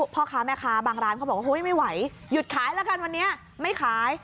พ่อค้าแม่ค้าบางร้านเขาบอกว่าเฮ้ยไม่ไหวหยุดขายแล้วกันวันนี้ไม่ขาย